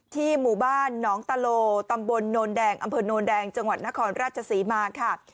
ที่หมู่บ้านน้องตะโลตำบลอำเภอโนรแดงจังหวัดนครราชสีมาค่ะ